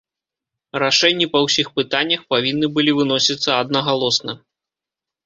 Рашэнні па ўсіх пытаннях павінны былі выносіцца аднагалосна.